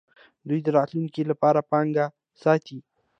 دوی د راتلونکي لپاره پانګه ساتي.